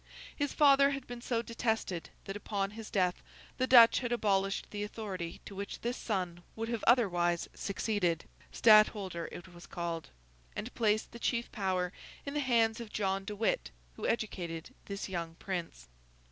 His father had been so detested that, upon his death, the Dutch had abolished the authority to which this son would have otherwise succeeded (Stadtholder it was called), and placed the chief power in the hands of John de Witt, who educated this young prince.